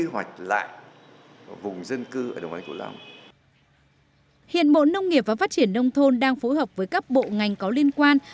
hiện bộ nông nghiệp và phát triển nông thôn đang phối hợp với các bộ ngành có liên quan